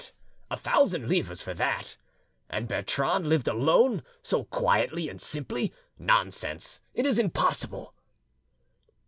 "What! a thousand livres for that? And Bertrande lived alone, so quietly and simply! Nonsense! it is impossible."